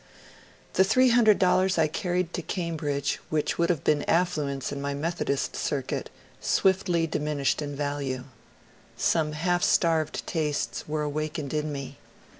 The three hundred dollars I carried to Cambridge, which would have been affluence in my Methodist circuit, swiftly diminished in value. Some half starved tastes were awakened in me.